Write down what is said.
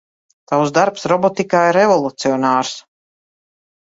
Tavs darbs robotikā ir revolucionārs.